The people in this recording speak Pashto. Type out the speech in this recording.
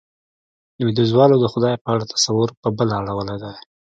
لوېديځوالو د خدای په اړه تصور، په بله اړولی دی.